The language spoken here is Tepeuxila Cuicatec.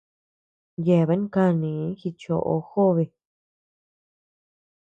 Yeabean kanii jichoʼo jobe.